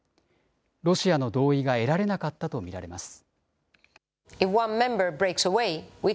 ロシアの同意が得られなかったと見られます。